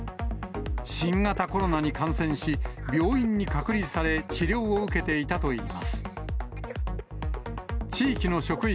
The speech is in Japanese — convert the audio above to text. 新型コロナに感染し、病院に隔離され、治療を受けていたといいます。